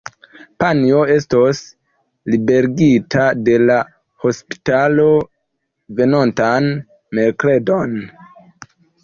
Panjo estos liberigita de la hospitalo venontan merkredon.